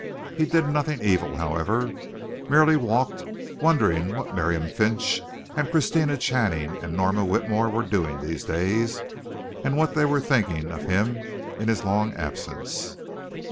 He did nothing evil, however, merely walked, wondering what Miriam Finch and Christina Channing and Norma Whitmore were doing these days and what they were thinking of him in his long absence.